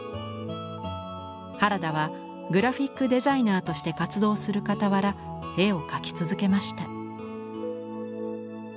原田はグラフィックデザイナーとして活動するかたわら絵を描き続けました。